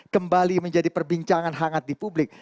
kembali menjadi perbincangan hangat di publik